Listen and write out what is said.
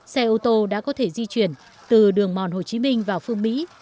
xe ô tô đã có thể di chuyển từ đường mòn hồ chí minh vào phương mỹ